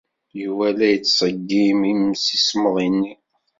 Yuba la yettṣeggim imsismeḍ-nni.